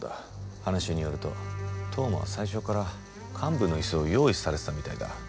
話によると当麻は最初から幹部の椅子を用意されてたみたいだ。